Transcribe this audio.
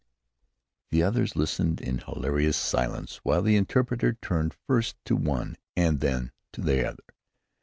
The others listened in hilarious silence while the interpreter turned first to one and then to the other.